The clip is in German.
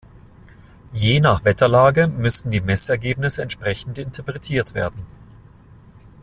Je nach Wetterlage müssen die Messergebnisse entsprechend interpretiert werden.